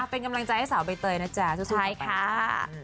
เป็นกำลังใจให้สาวใบเตยนะจ๊ะสู้สู้ต่อไป